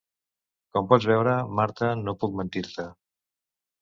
Com pots veure, Marta, no puc mentir-te!